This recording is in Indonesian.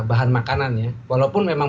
bahan makanannya walaupun memang